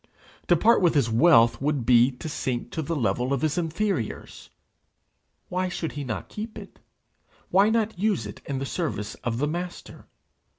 To part with his wealth would be to sink to the level of his inferiors! Why should he not keep it? why not use it in the service of the Master?